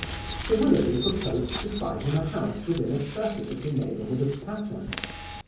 Sir Willoughby proposed to find him a house within a circuit of the neighbourhood of Patterne.